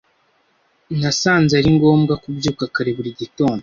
Nasanze ari ngombwa kubyuka kare buri gitondo.